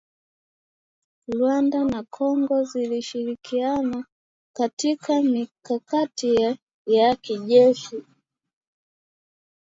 Rwanda na Kongo zilishirikiana katika mikakati ya kijeshi